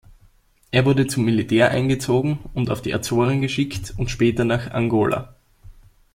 Er wurde zum Militär eingezogen und auf die Azoren geschickt und später nach Angola.